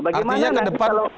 artinya ke depan